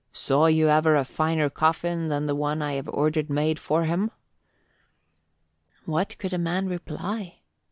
Saw you ever a finer coffin than the one I have ordered made for him?" What could a man reply?